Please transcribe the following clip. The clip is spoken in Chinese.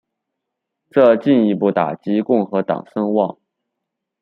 这进一步打击共和党声望。